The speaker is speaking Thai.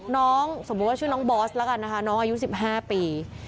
สมมุติว่าชื่อน้องบอสแล้วกันนะคะน้องอายุ๑๕ปี